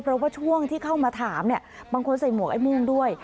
เพราะว่าช่วงที่เข้ามาถามเนี่ยบางคนใส่หมวกไอ้ม่วงด้วย